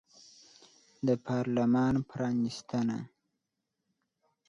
د پارلمان پرانیستنه